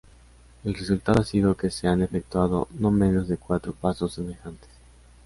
El resultado ha sido que se han efectuado no menos de cuatro pasos semejantes.